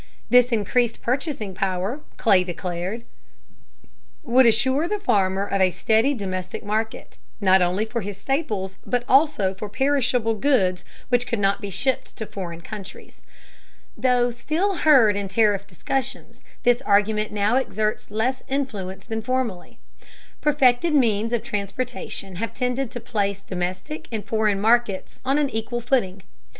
This increased purchasing power, Clay declared, would assure the farmer of a steady domestic market, not only for his staples, but also for perishable goods which could not be shipped to foreign countries. Though still heard in tariff discussions, this argument now exerts less influence than formerly. Perfected means of transportation have tended to place domestic and foreign markets on an equal footing.